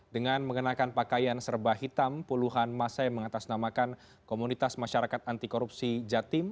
dengan mengenakan pakaian serba hitam puluhan masa yang mengatasnamakan komunitas masyarakat anti korupsi jatim